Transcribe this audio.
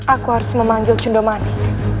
aku harus memanjul cundomani